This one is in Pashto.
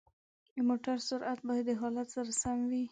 د موټرو سرعت باید د حالت سره سم وي.